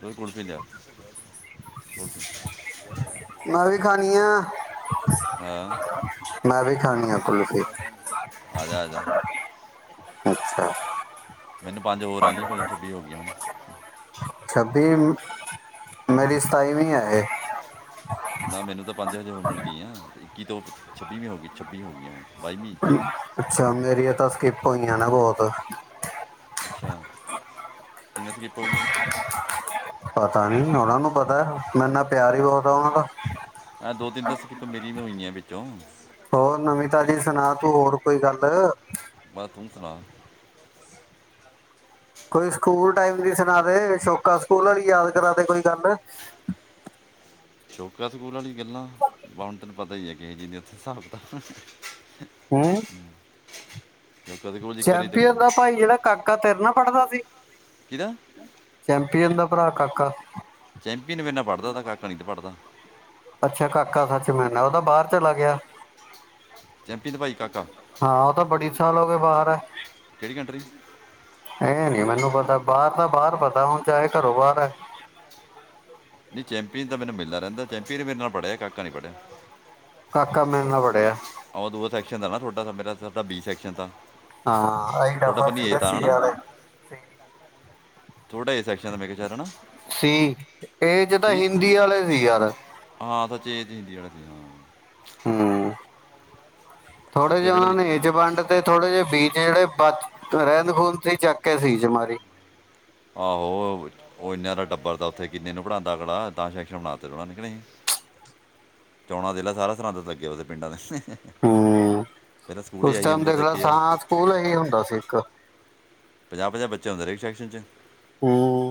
ਤੂੰ ਕੁਲਫੀ ਲਿਆ ਕੁਲਫੀ ਮੈਂ ਵੀ ਖਾਣੀ ਆ ਮੈਂ ਵੀ ਖਾਣੀ ਆ ਕੁਲਫੀ ਆਜਾ-ਆਜਾ ਅੱਛਾ ਮੈਨੂੰ ਪੰਜ ਹੋਰ ਆ ਗੀਆਂ ਪਾਜੀ ਛੱਬੀ ਹੋ ਗਈਆਂ ਹੁਣ [unintelligible] ਮੇਰੀ ਸਤਾਈਵੀ ਆ ਇਹ ਨਾ ਮੈਨੂੰ ਤਾਂ ਪੰਜ ਹਜੇ ਹੋਣ ਮਿਲ ਗਈਆਂ ਇੱਕੀ ਤੋਂ ਛੱਬੀਵੀਂ ਹੋ ਗਈ ਛੱਬੀ ਹੋ ਗਈਆਂ ਹੁਣ ਬਾਈਵੀਂ ਅੱਛਾ ਮੇਰੀਆਂ ਤਾਂ ਸਕਿਪ ਹੋਈਆਂ ਨਾ ਬਹੁਤ ਅੱਛਾ ਕਿਵੇਂ ਸਕਿਪ ਹੋਗੀਆਂ ਪਤਾ ਨੀ ਉਹਨਾਂ ਨੂੰ ਪਤਾ ਮੇਰਾ ਨਾ ਪਿਆਰ ਹੀ ਬਹੁਤ ਉਹਨਾਂ ਦਾ ਆ ਦੋ ਤਿੰਨ ਤਾਂ ਸਕਿੱਪ ਮੇਰੀਆਂ ਵੀ ਹੋਈਆਂ ਵਿੱਚੋਂ ਹੋਰ ਨਵੀ ਤਾਜੀ ਸੁਣਾ ਤੂੰ ਹੋਰ ਕੋਈ ਗੱਲ ਬਸ ਤੂੰ ਸੁਣਾ ਕੋਈ ਸਕੂਲ ਟਾਈਮ ਦੀ ਸੁਣਾ ਦੇ ਸ਼ੌਕਾ ਸਕੂਲ ਵਾਲੀ ਯਾਦ ਕਰਾ ਦੇ ਕੋਈ ਗੱਲ ਸੋਕਾ ਸਕੂਲ ਆਲੀ ਗੱਲਾਂ ਬਾ ਹੁਣ ਤੈਨੂੰ ਪਤਾ ਹੀ ਹੈ ਕਿਹੋ ਜਿਹੀ ਨੇ ਓਥੇ ਹਿਸਾਬ ਕਿਤਾ ਹੂੰ ਚੋਕਾ ਸਕੂਲ 'ਚ ਇੱਕ ਵਾਰੀ ਤੇ ਚੈਂਪੀਅਨ ਦਾ ਕਿਹਦਾ ਭਾਈ ਜਿਹੜਾ ਕਾਕਾ ਤੇਰੇ ਨਾ ਪੜਦਾ ਸੀ ਚੈਂਪੀਅਨ ਦਾ ਭਰਾ ਕਾਕਾ ਚੈਂਪੀਅਨ ਮੇਰੇ ਨਾ ਪੜ੍ਹਦਾ ਤਾ ਕਾਕਾ ਨਹੀਂ ਤੇ ਪੜ੍ਹਦਾ ਅੱਛਾ ਕਾਕਾ ਸੱਚ ਮੈ ਉਹਦਾ ਬਾਹਰ ਚਲਾ ਗਿਆ ਚੈਂਪੀਅਨ ਭਾਈ ਕਾਕਾ ਹਾਂ ਉਹ ਤਾਂ ਬੜੀ ਸਾਲ ਹੋ ਗਏ ਬਾਹਰ ਹੈ ਕਿਹੜੀ ਕੰਟਰੀ ਇਹ ਨੀ ਮੈਨੂੰ ਪਤਾ ਬਾਹਰ ਦਾ ਬਾਹਰ ਪਤਾ ਹੁਣ ਚਾਹੇ ਘਰੋਂ ਬਾਹਰ ਹੈ ਨਹੀਂ ਚੈਂਪੀਅਨ ਤਾਂ ਮੈਨੂੰ ਮਿਲਣਾ ਰਹਿੰਦਾ ਚੈਂਪੀਅਨ ਮੇਰੇ ਨਾਲ ਪੜ੍ਹਿਆ ਕਾਕਾ ਨਹੀਂ ਪੜ੍ਹਿਆ ਕਾਕਾ ਮੇਰੇ ਨਾਲ ਪੜਿਆ ਦੂਆ ਸੈਕਸ਼ਨ ਦਾ ਨਾ ਤੁਹਾਡਾ ਦਾ ਮੇਰਾ ਬੀ ਸੈਕਸ਼ਨ ਦਾ ਹਾਂ ਅਸੀਂ ਡਬਲ ਸੀਗੇ ਸੀ ਆਲੇ ਤੁਹਾਡਾ ਏ ਸੈਕਸ਼ਨ ਦਾ ਮੈਂ ਕਿਹਾ ਚਾਹਣਾ ਸੀ ਏ ਚ ਤਾਂ ਸੀ ਹਿੰਦੀ ਆਲੇ ਸੀ ਯਾਰ ਹਾਂ ਸੱਚ ਏ ਚ ਹਿੰਦੀ ਆਲੇ ਸੀ ਹਾਂ ਹਮ ਥੋੜੇ ਇੱਕ ਜਿਹੇ ਜਿਹੜਾ ਉਹਨਾ ਲ- ਨੇ ਏ ਚ ਵੰਡ ਤੇ ਥੋੜੇ ਜਿਹੇ ਬੀ ਚ ਜਿਹੜੇ ਬ ਰਹਿੰਦ ਖੂਹੰਦ ਸੀ ਚੱਕ ਕੇ ਸੀ ਚ ਮਾਰੀ ਆਹੋ ਉਹ ਇਨਾ ਦਾ ਟੱਬਰ ਦਾ ਉੱਥੇ ਕਿੰਨੇ ਨੂੰ ਪੜ੍ਹਾਂਦਾ ਜੇੜਾ ਤਾਂ ਸੈਕਸ਼ਨ ਬਣਾ ਤੇ ਹੋਣਾ ਨੇ ਕੇ ਨਈ ਚੋਣਾਂ ਦਲਾ ਸਾਰਾ ਸਨਾ ਦਿੰਦਾ ਉਹਦੇ ਪਿੰਡਾਂ ਦੇ ਹਮ ਪਹਿਲਾਂ ਸਕੂਲ ਹੀ ਉਸ ਆਈ ਟਾਈਮ ਹੁੰਦਾ ਦੇਖ ਤਾਂ ਇੱਕ ਲੈ ਯਾਰ ਸਾ ਸਕੂਲ ਹੀ ਹੁੰਦਾ ਸੀ ਇੱਕ ਪੰਜਾਹ ਪੰਜਾਹ ਬੱਚੇ ਹੁੰਦੇ ਨੇ ਇੱਕ ਸੈਕਸ਼ਨ ਚ ਹਮ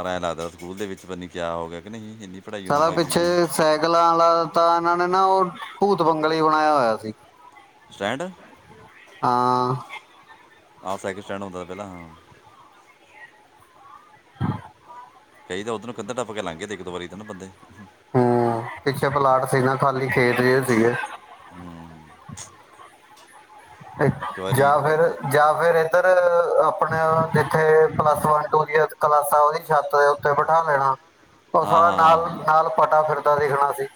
ਆਰਏ ਲੱਗਦਾ ਸਕੂਲ ਦੇ ਵਿੱਚ ਪੰਨੀ ਕਿਆ ਹੋ ਗਿਆ ਕੇ ਨਹੀਂ ਇੰਨੀ ਪੜ੍ਹਾਈ ਹੋਣ ਸਾਰਾ ਪਿੱਛੇ ਲੱਗਦੀ ਸੀ ਸਾਈਕਲਾਂ ਆਲਾ ਤਾਂ ਇਹਨਾਂ ਨੇ ਨਾ ਉਹ ਭੂਤ ਬੰਗਲੇ ਹੀ ਬਣਾਇਆ ਹੋਇਆ ਸੀ ਸਟੈਂਡ ਆਹ ਹਾਂ ਆਹੋ ਸਾਈਕਲ ਸਟੈਂਡ ਹੁੰਦਾ ਪਹਿਲਾਂ ਹਾਂ [inaudible] ਕਈ ਤਾਂ ਉੱਦੋਂ ਕੰਧਾ ਟੱਪ ਕੇ ਲੰਘ ਗੇ ਤੇ ਇੱਕੋ ਵਾਰੀ ਤੇਨ ਪਤੈ ਹਮ ਪਿੱਛੇ ਪਲਾਟ ਸੀ ਨਾ ਖਾਲੀ ਖੇਤ ਜੇ ਸੀਗੇ ਇੱਕ ਵਾਰੀ ਜਾ ਫੇਰ ਜਾ ਫੇਰ ਇ ਤਾਂ ਆਪਣੇ ਜਿੱਥੇ ਪਲੱਸ ਵਨ ਟੂ ਦੀ ਕਲਾਸਾਂ ਉਹਦੀ ਛੱਤ ਦੇ ਉੱਤੇ ਬਿਠਾ ਲੈਣਾ ਫਸ ਹਾਂ ਹਾਂ, [unintelligible] ਹਾਂ ਨਾਲ ਨਾਲ ਪਟਾ ਫਿਰ [unintelligible] ਦੇਖਣਾ ਸੀ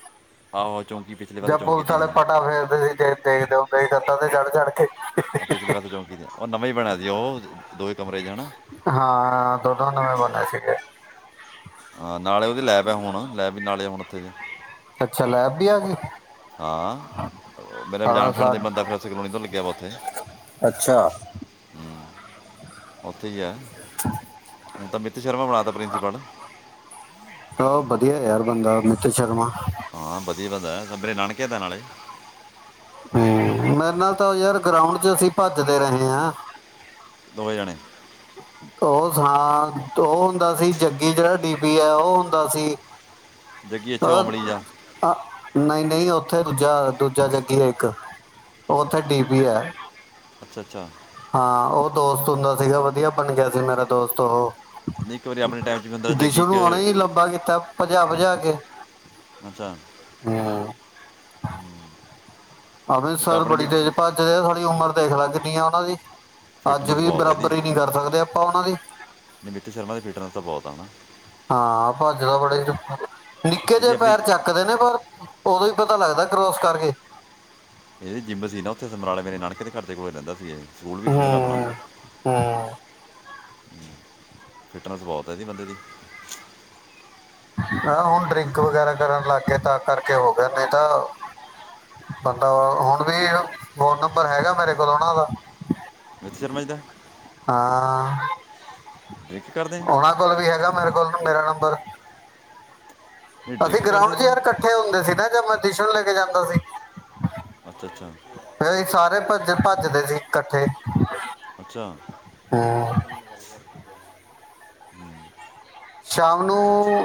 ਆਹੋ ਚੌਂਕੀ ਪਿਛਲੇ ਵਾਰ ਤਾਂ ਜਾਂ ਚੌਂਕੀ ਪੁਲਿਸ ਦੀ ਵਾਲੇ ਹਾਂ ਪਟਾ ਫੇਰਦੇ ਸੀਗੇ ਦੇਖਦੇ ਹੋ [unintelligible] ਤੇ ਚੜ ਚੜ ਪਿਛਲੇ ਵਾਰ ਚੌਂਕੀ ਦੀ ਉਹ ਨਵੇਂ ਹੀ ਬਣਿਆ ਸੀ ਉਹ ਦੋਵੇ ਕਮਰੇ ਚ ਹਨਾ ਹਾਂ ਦੋਨੋਂ ਨਵੇਂ ਬਣੇ ਸੀਗੇ ਹਾਂ ਨਾਲੇ ਉਹਦੀ ਲੈਬ ਹੈ ਹੁਣ ਲੈਬ ਵੀ ਨਾਲੇ ਹੁਣ ਉੱਥੇ ਜੇ ਅੱਛਾ ਲੈਬ ਵੀ ਆ ਗੀ। ਹਾਂ ਮੇਰੇ ਜਾਣ ਪਛਾਣ ਸਾ ਦਾ ਬੰਦਾ ਪ੍ਰੋਫੈਸਰ ਕਲੋਨੀ ਤੋਂ ਲੱਗਿਆ ਵਾ ਉੱਥੇ? ਅੱਛਾ ਉਥੇ ਹੀ ਹੈ। ਹੁਣ ਤਾਂ ਆਮਿਤ ਸ਼ਰਮਾ ਬਣਾ ਤਾਂ ਪ੍ਰਿੰਸੀਪਲ ਵਧੀਆ ਯਾਰ ਬੰਦਾ ਅਮਿਤ ਸ਼ਰਮਾ ਹਾਂ, ਵਧੀਆ ਬੰਦਾ ਮੇਰੇ ਨਾਨਕਿਆ ਦਾ ਨਾਲੇਂ ਉੱਥੇ, ਅਸੀਂ ਭੱਜਦੇ ਰਹੇ ਹਾਂ। ਦੋਵੇਂ ਜਾਣੇ ਉਹ ਸੁਣਾ, ਉਹ ਹੁੰਦਾ ਸੀ। ਜੱਗੀ ਜਿਹੜਾ ਡੀਪੀ ਆ, ਉਹ ਹੁੰਦਾ ਸੀ। ਜੱਗੀ ਇੱਥੇ ਔਮਲੀ ਉਹ ਜਾ ਨਾ ਨਹੀਂ ਨਹੀਂ ਉੱਥੇ ਦੂਜਾ ਦੂਜਾ ਜੱਗੀ ਏ ਇੱਕ ਉਹ ਉੱਥੇ ਡੀਪੀ ਹੈ। ਅੱਛਾ -ਅੱਛਾ ਹਾਂ, ਉਹ ਦੋਸਤ ਹੁੰਦਾ ਸੀ ਗਾ ਵਧੀਆ ਬਣ ਗਿਆ ਸੀ ਮੇਰਾ ਦੋਸਤ ਉਹ, ਨਹੀਂ ਇੱਕ ਵਾਰੀ ਆਪਣੇ ਟਾਈਮ 'ਚ ਵੀ ਹੁੰਦਾ ਜੱਗੀ ਦਿਸ਼ੂ ਇੱਕ ਨੂੰ ਉਣੇ ਹੀ ਲੰਬਾ ਕੀਤਾ ਭੱਜਾ ਭੱਜਾ ਕੇ ਅੱਛਾ ਹਮ। ਅਮਿਤ ਇੱਕ ਸਰ ਆਪਣੇ ਬੜੀ ਵੀ ਤੇਜ਼ ਭੱਜਦੇ ਆ ਸਾਡੀ ਉਮਰ ਦੇਖ ਲੈ, ਕੀ ਹੈ ਉਹਨਾਂ ਦੀ ਅੱਜ ਫਿਟਨੈਸ ਵੀ ਬਹੁਤ ਇਹਦੀ ਬਰਾਬਰੀ ਨਹੀਂ ਕਰ ਸਕਦੇ ਆਪਾਂ ਉਹਨਾਂ ਦੀ ਅਮਿਤ ਸ਼ਰਮਾ ਦੀ ਫਿਟਨੈਸ ਤਾਂ ਬਹੁਤ ਆ ਨਾ। ਹਾਂ ਭੱਜਦਾ ਬੜੇ ਚੁ ਨਿੱਕੇ ਇਹਦੀ ਜਿਹੇ ਆਪਣੀ ਪੈਰ ਚੱਕਦੇ ਨੇ ਪਰ ਉਦੋਂ ਹੀ ਪਤਾ ਲੱਗਦਾ ਕਰੋਸ ਦਾ। ਕਰਗੇਂ ਇਹਦੀ ਜਿੰਮ ਸੀ ਨਾ ਉੱਥੇ ਸਮਰਾਲੇ ਮੇਰੇ ਨਾਨਕੇ, ਸਾਡੇ ਘਰ ਦੇ ਕੋਲ ਹੀ ਰਹਿੰਦਾ ਸੀ। ਇਹ- ਸਕੂਲ ਵੀ ਸੀ ਇਹਨਾਂ ਦਾ ਆਪਣਾ ਹਾ ਹਾ ਫਿਟਨੈਸ ਬਹੁਤ ਹੈ। ਇਹਦੀ ਬੰਦੇ ਦੀ ਹੁਣ ਡਰਿੰਕ ਵਗੈਰਾ ਕਰਨ ਲੱਗ ਗਏ। ਤਾਂ ਕਰਕੇ ਹੋ ਗਏ, ਨਹੀਂ ਤਾਂ ਬੰਦਾ ਹੁਣ ਵੀ ਫੋਨ ਨੰਬਰ ਹੈਗਾ ਮੇਰੇ ਕੋਲ ਉਹਨਾਂ ਦਾ ਅਮਿਤ ਸ਼ਰਮਾ ਦਾ ਹਾਂ। ਡਰਿੰਕ ਕਰਦੇ ਆ ਉਹਨਾਂ ਕੋਲ ਵੀ ਹੈਗਾ ਮੇਰੇ ਕੋਲ ਮੇਰਾ ਨੰਬਰ, ਇਹ ਅਸੀਂ ਡਰਿੰਕ ਗਰਾਊਂਡ ਕਰਦੇ ਚ ਯਾਰ ਬਹੁਤ ਇਕੱਠੇ ਹੁੰਦੇ ਸੀ। ਨਾ ਯਰ ਪਰਮਿਸ਼ਨ ਲੈ ਕੇ ਜਾਂਦਾ ਸੀ। ਅੱਛਾ -ਅੱਛਾ ਇਕੱਠੇ ਭੱਜਦੇ ਸੀ ਇਕੱਠੇ ਅੱਛਾ! ਹੂੰ। ਹੂੰ ਸ਼ਾਮ ਨੂੰ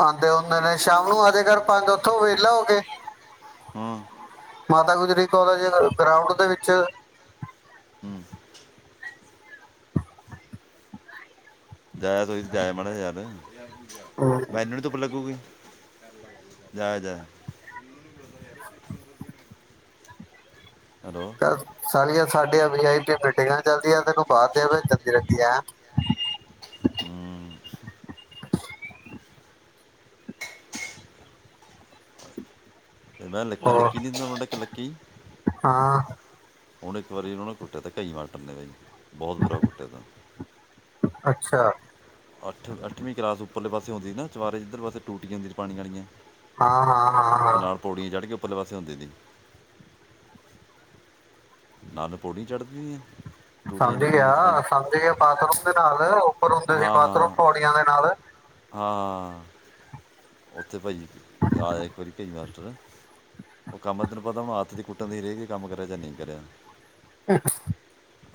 ਆਉਂਦੇ ਆਦੇ ਨੇ ਸ਼ਾਮ ਨੂੰ ਆ ਜਾਇਆ ਕਰ ਪੰਜ ਵੱਜੇ ਉੱਥੋਂ ਤੋਂ ਵਿਹਲਾ ਹੋ ਕੇ ਹਾਂ ਮਾਤਾ ਗੁਜਰੀ! ਕਾਲਜ ਗਰਾਊਂਡ ਦੇ ਵਿੱਚ ਹਮ ਜਾਇਆ ਬਈ, ਜਾਇਆ ਮਾੜਾ ਯਾਰ, ਮੈਨੂੰ ਨੀ ਧੁੱਪ ਲੱਗੂਗੀ। ਜਾ, ਜਾ। ਤਾਂ, ਸਾਾਲੀਆ ਸਾਡੀਆਂ, ਵੀ ਆਈ ਪੀ, ਮੀਟਿੰਗਾਂ ਚੱਲਦੀਆਂ ਤੈਨੂੰ, ਬਾਹਦ ਦੇ ਵਿੱਚ ਜਾਂਦੀ ਰਹਿੰਦੀ ਹੈ। ਹਮ। ਤੇ, ਮੈਂ ਲੱਕੀ, ਹੋਰ ਲੱਕੀ ਨੀ, ਦਿੰਦਾ ਲੱਕੀ ਕੀ? ਹਾਂ। ਹੁਣ ਇੱਕ ਵਾਰੀ ਉਹਨਾ ਨੇ ਕੁੱਟਿਆ ਤੇ, ਕਈ ਮਾਸਟਰ ਨੇ ਬਾਈ। ਬਹੁਤ ਬੁਰਾ ਕੂਟਿੱਆ ਅੱਛਾ ਅੱਠ, ਅੱਠਵੀਂ ਕਲਾਸ ਪਰਲੇ ਪਾਸੇ ਹੁੰਦੀ ਨਾ, ਚਵਾਰੇ ਜਿੱਧਰ ਪਾਸੇ ਟੂਟੀਆਂ ਹੂੰਦੀ ਪਾਣੀ ਵਾਲੀਆਂ। ਹਾਂ, ਹਾਂ, ਹਾਂ, ਉਹ ਹਾਂ। ਨਾਲ ਪੌੜੀਆਂ ਚੜ੍ਹ ਕੇ ਉੱਪਰਲੇ ਪਾਸੇ ਹੁੰਦੇ ਨੀ। ਨਾਲ ਪੌੜੀ ਚੜ੍ਹਦੀ ਆ। ਟੂਟੀਆਂ ਸਮਝ ਲੱਗੀਆਂ ਨੇ ਜਿੱਥੇ ਗਿਆ, ਪਾਣੀ ਸਮਝ ਗਿਆ ਬਾਥਰੂਮ ਦੇ ਨਾਲ ਉੱਪਰ ਹੁੰਦੇ ਸੀ, ਹਾਂ ਬਾਥਰੂਮ ਹਾਂ ਪੌੜੀਆਂ ਦੇ ਨਾਲ। ਹਾਂ ਉੱਥੇ ਭਾਈ ਜੀ, ਇੱਕ ਵਾਰੀ ਭਾ ਮਾਸਟਰ ਉਹ ਕੰਮ ਤੈਨੂੰ ਪਤਾ ਹੁਣ ਆਦਤ ਦੀ ਕੁੱਟਣ ਦੀ, ਹੀ ਰਹਿਗੀ ਕੰਮ ਕਰਿਆ ਜਾਂ, ਨਹੀਂ ਕਰਿਆ। ਹ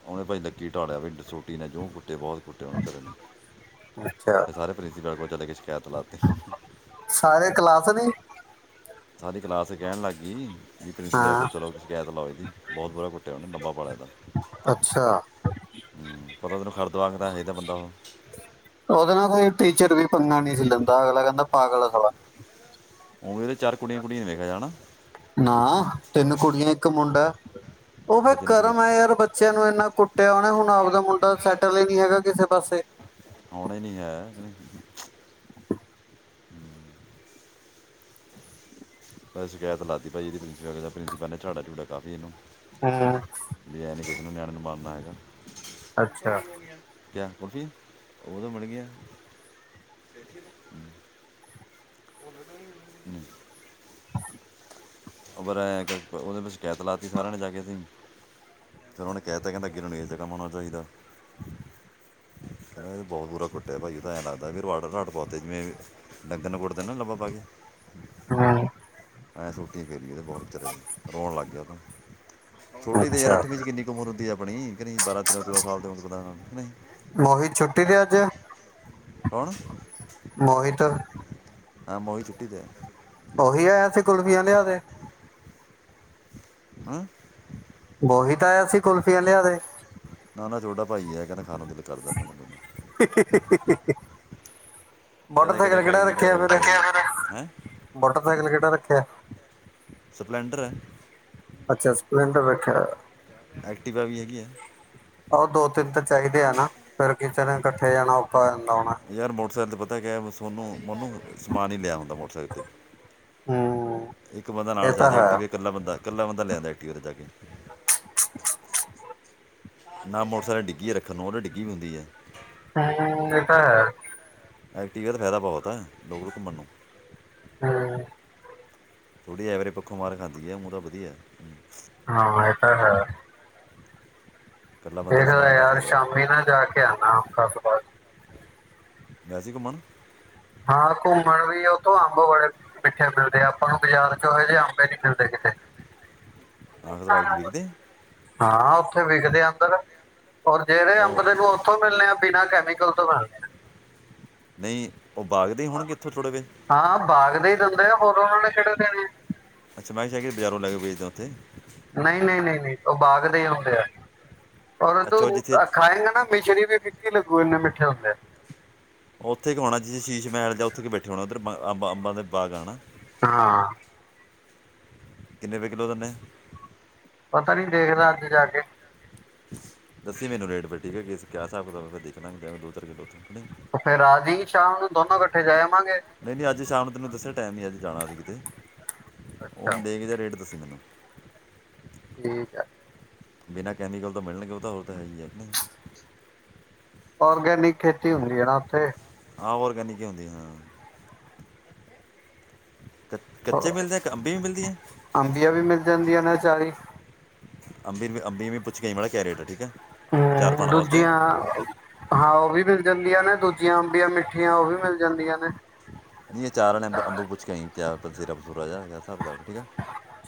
ਉਹਨੇ ਭਾਈ। ਲੱਕੀ ਢਾਲਿਆ ਪਿਸੋਂ ਕੁੱਟੀ ਨੇ, ਜੂੰ ਕੁੱਟੇ ਬਹੁਤ ਕੁੱਟੇ, ਉਹਨਾਂ ਖ ਨੇ ਅੱਛਾ ਫੇਰ, ਸਾਰੇ ਪ੍ਰਿੰਸੀਪਲ ਕੋਲ ਚਲੇ ਗਏ, ਸ਼ਿਕਾਇਤ ਲਾਤੀ। ਸਾਰੇ ਕਲਾਸ ਨੇ ਸਾਰੀ ਕਲਾਸ ਹੀ, ਕਹਿਣ ਲੱਗ ਗਈ। ਵੀ ਹਾਂ ਤ ਚਲੋ, ਸ਼ਿਕਾਇਤ ਲਾਓ ਇਹਦੀ, ਬਹੁਤ ਬੁਰਾ ਕੁੱਟਿਆ ਉਹਨੇ ਲੰਬਾ ਪਾ ਲਿਆ ਇਹਦਾ ਅੱਛਾ ਹਮ ਪਤਾ, ਤੈਨੂੰ ਖਰਦ ਵਾਂਗ ਦਾਦਾ ਬੰਦਾ ਉਹ ਉਹਦੇ ਨਾਲ ਕੋਈ ਟੀਚਰ ਵੀ ਪੰਗਾ, ਣੀ, ਸੀ, ਲੈਂਦਾ ਅਗਲਾ ਕਹਿੰਦਾ ਪਾਗਲ ਆ ਸਾਲਾ। ਉਏ। ਨਾ, ਤਿੰਨ ਕੁੜੀਆਂ, ਇੱਕ ਮੁੰਡਾ। ਹ ਉਹ ਫਿਰ ਅੱਛਾ ਤਿੰਨ ਕੁੜੀ ਕਰਮ ਹੈ, ਯਾਰ, ਬੱਚਿਆਂ ਨੂੰ ਇੰਨਾ ਕੁੱਟਿਆ ਉਹਨੇ, ਹੁਣ ਆਪਦਾ ਮੁੰਡਾ ਸੈਟਲ ਹੀ ਨੀ ਹੈਗਾ, ਕਿਸੇ ਪਾਸੇ। ਆੳਣਾ ਹੀ, ਨੀ ਹੈ। ਹਮ ਮੈਂ, ਸ਼ਿਕਾਇਤ ਲਾਤੀ ਭਾਈ, ਇਹਦੀ ਪ੍ਰਪਲ ਪ੍ਰਿੰਸੀਪਲ ਨੇ ਝਾੜਾ ਕੀਤਾ, ਕਾਫੀ ਇਹਨੂੰ। ਵੀ ਐ ਨਹੀਂ ਐਸ। ਕਿਸੇ ਨਿਆਣੇ ਨੂੰ ਮਾਰਨਾ ਹੈਗਾ ਕਦੋ ਅੱਛਾ ਮਿਲੁ ਗੀਆਂ? ਕਿਆ ਕੁਲਫੀ, ਉਹ ਤਾਂ ਮਿਲਗਿਆਂ। ਹਮਮ ਉਹਦੇ ਸ਼ਿਕਾਇਤ ਲਾਤੀ ਸਾਰਿਆਂ ਨੇ ਜਾ ਕੇ ਅਸੀਂ, ਫਿਰ ਉਹ ਨੇ ਕਹਿ ਤਾ, ਕਹਿੰਦਾ ਅੱਗੇ ਤੋਂ ਨੀ ਐਦਾ ਕੰਮ ਹੋਣਾ ਚਾਹੀਦਾ, ਕਹਿੰਦਾ ਇਹ ਬਹੁਤ ਬੁਰਾ ਕੁੱਟਿਆ ਭਾਈ ਤਾਂ, ਐਂ ਲੱਗਦਾ ਰਾਵ, ਰਾਵ, ਜਿਵੇਂ ਡੰਗਰ ਨੂੰ ਕੁੱਟਦੇ ਨਾ ਲੱਬਾ ਪਾ ਕੇ। ਹਾ। ਹੈਸ ਔ। ਠੀਕ ਹੇ। ਠੀਕ, ਬਹੁਤ ਵਿਚਾਰੇ ਰੋਣ ਲੱਗ ਗਿਆ। ਛੋਟੀ ਤੇ ਯਾਰ ਅੱਛਾ ਅੱਠਵੀ ਚ ਕਿੰਨੀ ਕੁਮਰ ਹੁੰਦੀ ਹੈ? ਆਪਣੀ ਨਹੀਂ ਬਾਰਾਂ -ਤੇਰਾਂ- ਚੋਦਾਂ ਸਾਲ ਤੇ ਹ ਨਹੀਂ। ਮੋਹਿਤ ਛੁੱਟੀ ਤੇ ਅੱਜ ਹੁਣ। ਮੋਹਿਤ ਹਾਂ ਮੋਹਿਤ ਛੁੱਟੀ ਤੇ ਹੈ। ਮੋਹਿਤ ਆਇਆ ਸੀ, ਕੁਲਫੀਆਂ ਲਿਆਦੇ। ਹੂੰ। ਮੋਹਿਤ ਆਇਆ ਸੀ, ਕੁਲਫੀ ਲਿਆ ਦੇ। ਉਹਦਾ ਛੋਟਾ ਭਾਈ ਹੈ ਕਹਿ ਹੀ- ਹੀ, ਕਦੇ ਕਦੇ ਮੋਟਰਸਾਈਕਲ ਖਾਈ ਕਿਹੜਾ ਦੀ ਹੈ, ਰੱਖਿਆ ਰੋਜ਼ ਖਾਈ ਫਿਰ ਫਿਰ ਹੈ ਮੋਟਰਸਾਈਕਲ ਕਿਹੜਾ ਰੱਖਿਆ? ਸਪਲੈਂਡਰ ਹੈ। ਅੱਛਾ ਸਪਲੈਡਰ ਰਖਿਆ। ਐਕਟਿਵਾ ਵੀ ਹੈਗੀ ਹੈ ਉਹ ਦੋ ਦਿਨ ਤਾਂ ਚਾਹੀਦੇ ਹੈਨਾ ਫਿਰ ਕਿਸ ਜਗ੍ਹਾ ਇਕੱਠੇ ਜਾਣਾ ਹੋ। ਜਾਂਦਾ ਹੋਣਾ ਯਾਰ, ਮੋਟਰਸਾਈਕਲ ਤੇ ਪਤਾ ਕਿਯਾ ਕੋਨੂੰ? ਮੈਨੂੰ ਸਮਾਨ ਨੀ ਲਿਆ ਹੁੰਦਾ ਮੋਟਰਸਾਈਕਲ ਤੇ ਹੂੰ ਇੱਕ ਬੰਦਾ ਇਹ ਨਾਲ ਤਾਂ ਚਾਹੀਦਾ, ਹੈ ਐਕਟੀਵਾ ਤੇ ਕੱਲਾ ਬੰਦਾ ਕੱਲਾ ਬੰਦਾ ਲਿਆਂਦਾ। ਜਾ ਕੇ, ਨਾ ਮੋਟਰਸਾਈਕਲ ਡਿੱਗੀ ਰੱਖਣ ਨੂੰ ਉਹ ਤੇ ਡਿੱਗੀ ਵੀ ਹੁੰਦੀ ਹੈ। ਹਾਂ ਇਹ ਤਾਂ ਹੈ। ਐਕਟੀਵਾ ਦਾ ਫਾਇਦਾ ਬਹੁਤ ਹੈ ਦੋ ਘੁੰਮਣ ਨੂੰ। ਹਾਂ। ਥੋੜ੍ਹੀ ਐਵਰੇਜ ਪੱਖੋਂ ਮਾਰ ਖਾਂਦੀ ਹੈ ਹੂਨ ਤਾਂ ਵਧਿਆ ਹੈ। ਹਾਂ ਇਹ ਤਾਂ ਹੈ। ਇਕੱਲਾ ਬੰਦਾ ਵੀ ਦੇਖਦਾ ਸਮਾਨ ਲਿਆ ਯਾਰ, ਸਕਦਾ ਸ਼ਾਮੀ ਨਾ ਜਾ ਕੇ ਆਉਣਾ ਆਫਿਸ ਤੋਂ ਬਾਦ। ਗਏ ਸੀ ਘੁੰਮਣ। ਹਾਂ ਘੁੰਮਣ ਵੀ ਆ ਉੱਥੋਂ ਅੰਬ ਬੜੇ ਮਿੱਠੇ ਮਿਲਦੇ ਆ, ਆਪਾਂ ਨੂੰ ਬਾਜ਼ਾਰ ਚ ਇਹੋ ਜਿਹੇ ਅੰਬ ਨਹੀਂ ਮਿਲਦੇ ਕਿਤੇ। ਆਗਣਵਾਣੀ ਵੇਖਦੇ ਆ। ਹਾਂ ਉੱਥੇ ਵਿਖਦੇ ਅੰਦਰ। ਔਰ ਜਿਹੜੇ ਅੰਬ ਉਹ ਉੱਥੋਂ ਮਿਲਣੇ ਆ ਬਿਨਾਂ ਕੈਮੀਕਲ ਕਲ ਤੋਂ ਕਰ ਲਿਆ। ਨਹੀਂ। ਉਹ ਬਾਗਦੇ ਹੋਣਗੇ ਇੱਥੋਂ ਥੋੜ੍ਹੇ ਜ ਜਾਂਦਾ ਆ ਹੋਰ ਉਹਨਾਂ ਨੇ ਖੇਤ ਦੇ ਨੇ। ਅੱਛਾ ਮੈਂ ਕਿਹਾ ਸ਼ਾ ਬਜ਼ਾਰੋਂ ਲੈ ਕੇ ਵੇਚਦਾ ਉੱਥੇ [inaudible] ਨਹੀਂ -ਨਹੀਂ- ਨਹੀਂ -ਨਹੀਂ ਉਹ ਬਾਗ ਦੇ ਹੀ ਹੁੰਦੇ ਆ। ਅੱਛਾ ਉਹ ਰੂੰ ਜਿੱਥੇ ਖਾਏਗਾ ਨਾ, ਮਿਸ਼ਰੀਵੀ ਫਿੱਕੀ ਲਗੂ ਗੀ। ਥੇਦੇ [inaudible] ਉੱਥੇ ਕਿ ਹੋਣਾ ਸ਼ੀਸ਼ ਮਹਿਲ ਜਾਂ ਉੱਥੇ ਕੇ ਬੈਠੇ ਹੋਣਾ ਉਧਰ ਅੰਬ ਅੰਬਾਂ ਦੇ ਬਾਗ ਆਨਾ। ਹਾਂ- ਕਿੰਨੇ ਰਪਏ ਕਿੱਲੋ ਦੇਨੇ ਏ। ਪਤਾ ਨੀ ਦੇਖਦਾ ਅੱਜ ਜਾ ਕੇ। ਦੱਸੀ ਮੈਨੂੰ ਰੇਟ ਫਿਰ ਠੀਕ ਹੈ। ਕੀ ਹਿਸਾਬ ਹੈ ਫਿਰ ਦੇਖਣਾ ਦੋ ਚਾਰ ਕਿੱਲੋ ਉਹ ਫਿਰ ਆ ਜੀ ਸ਼ਾਮ ਨੂੰ ਦੋਨੋਂ ਇਕੱਠੇ ਜਾ ਆਵਾਂਗੇ ਨਹੀਂ ਨਹੀਂ ਅੱਜ ਸ਼ਾਮ ਨੂੰ ਤੈਨੂੰ ਦੱਸਿਆ ਟਾਈਮ ਨਹੀਂ ਅੱਜ ਜਾਣਾ ਸੀ ਕਿਤੇ, ਅੱਛਾ ਹੁਣ ਦੇਖਦੇ ਰੇਟ ਦੱਸੀ ਮੈਨੂੰ। ਠੀਕ ਆ- ਬਿਨਾਂ ਕੈਮੀਕਲ ਤਾਂ ਮਿਲਣਗੇ ਉਹ ਤੇ ਹੈ। ਹੀ ਹੈ। ਹੀ ਹੈ। ਔਰਗੈਨਿਕ ਖੇਤੀ ਹੁੰਦੀ ਹੈ ਨਾ ਉੱਥੇ ਆ ਔਰਗੈਨਿਕ ਹੀ ਹੁੰਦੀਆਂ ਹਾਂ। ਕੱਚ- ਕੱਚੇ ਮਿਲਦੇ ਆ ਕਿ ਅੰਬੀ ਵੀ ਮਿਲਦੀ ਹੈ ਅੰਬੀਆਂ ਵੀ ਮਿਲ ਜਾਂਦੀਆਂ ਨਾ ਆਚਾਰੀ। ਅੰਬੀ ਵੀ ਪੁੱਛ ਕੇ ਆਈ ਮਾੜਅ ਜਿਆ ਕਿਆ ਰੇਟ ਹੈ। ਠੀਕ ਹੈ। ਚਾਰ ਹਾਂ ਪਾਣ ਵਾਸਤੇ ਦੂਜੀਆਂ ਹਾਂ ਉਹ ਵੀ ਅੰਬੀਆਂ ਨੇ ਦੂਜੀਆਂ ਆੰਬੀਆਂ ਮਿੱਠੀਆਂ। ਉਹ ਵੀ ਮਿਲ ਜਾਂਦੀਆਂ ਨੇ ਨਹੀਂ ਇਹ ਆਚਾਰ ਦੇ ਅੰਬ ਪੁੱਛ ਕੇ ਆਈ ਸਿਰਫ- ਹਿਸਾਬ ਕਿਤਾਬ ਠੀਕ ਹੈ।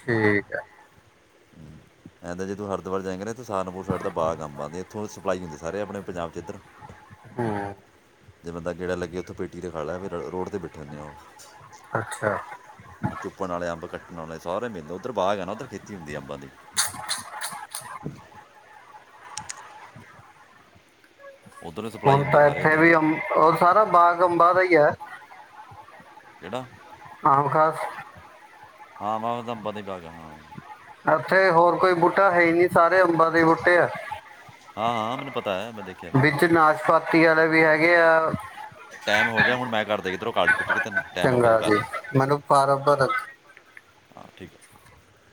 ਠੀਕ ਹੈ ਜਦੋਂ ਹਰਿਦੁਆਰ ਜਾਏਗਾ ਨਾ ਸਹਾਰਨਪੁਰ ਸਾਈਡ ਤੇ ਬਾਗ ਅੰਬਾ ਦੇ ਉੱਥੋਂ ਸਪਲਾਈ ਹੁੰਦੀ ਸਾਰੇ ਆਪਣੇ ਪੰਜਾਬ ' ਇੱਧਰ ਹਾਂ ਜੇ ਬੰਦਾ ਗੇੜਾ ਲੱਗੇ ਉੱਥੇ ਪੇਟੀ ਰਖਵਾਲੈ ਰੋਡ ਰਾਸਤੇ ਵਿੱਚ ਆਬੈਠੇ ਹੁੰਦੇ ਅੱਛਾ ਆ ਚੁੱਪਣ ਵਾਲੇ ਅੰਬ ਕੱਠੇ ਸਾਰੇ ਮਿਲਦੇ ਉਧਰ ਬਾਗ ਆ, ਉੱਧਰ ਖੇ ਖੇਤ ਹੁੰਦੀ ਆਬ। [inaudible] ਉੱਧਰ ਸਪਲਾਈ ਹੁਣ ਹੁੰਦੀ ਤਾਂ ਸਾਰੇ ਇੱਥੇ ਇੱਧਰ ਵੀ ਸਾਰਾ ਬਾਗ ਅੰਬਾ ਦਾ ਹੀ ਹੈ। ਕਿਹੜਾ- ਆਮ ਖਾਸ ਹਾਂ ਅੰਮਾਂ ਦੇ ਬਾਗ ਹਾਂ ਇੱਥੇ ਹੋਰ ਕੋਈ ਬੂਟਾ ਹੈ ਹੀ ਨਹੀ ਸਾਰੇ ਅੰਬਾਂ ਦੇ ਬੂਟੇ ਆ ਹਾਂ ਹਾਂ ਮੈਨੂੰ ਪਤਾ ਹੈ ਮੈਂ ਦੇਖਿਆ ਮੈਂ ਹਾਂ ਵਿੱਚ ਨਾਸ਼ਪਾਤੀ ਵਾਲੇ ਵੀ ਹੈਗੇ ਆ। ਟਾਈਮ ਹੋ ਗਿਆ ਹੁਣ ਮੈਂ ਕਰ ਦੇ ਕਿਧਰੋਂ ਕਾਲੀ ਕਿੱਟ ਕੇ ਤੈਨੂੰ ਟਾਈਮ ਹੋ ਗਿਆ ਤੂੰ ਚੰਗਾ ਜੀ ਕਰਨੇ ਮੈਨੂੰ ਬਰਾਬਰ ਹਾਂ ਠੀਕ ਆ